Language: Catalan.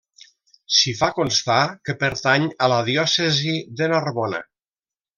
S'hi fa constar que pertany a la diòcesi de Narbona.